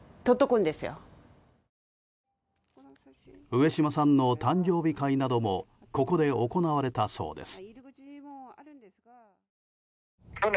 上島さんの誕生日会などもここで行われたそうです。